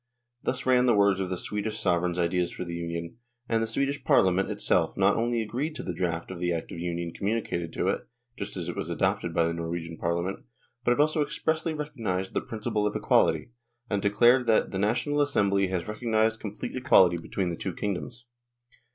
Thus ran the words of the Swedish sovereign's ideas for the Union, and the Swedish Parliament itself not only agreed to the draft of the Act of Union communicated to it, just as it was adopted by the Norwegian Parliament, but it also expressly recognised " the principle of equality," and declared that " the National Assembly has recognised com plete equality between the two kingdoms."